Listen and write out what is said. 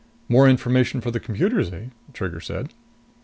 "More information for the computers, eh?" Trigger said.